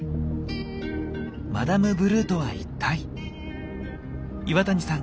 マダムブルーとは一体⁉岩谷さん